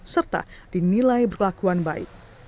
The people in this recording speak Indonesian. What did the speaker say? serta dinilai berkelakuan baik